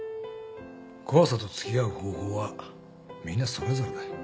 怖さと付き合う方法はみんなそれぞれだ。